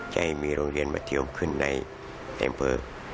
ให้มีโรงเรียนมาเทียมขึ้นในอำเภอ